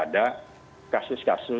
kita senantiasa mengedepankan cara cara kita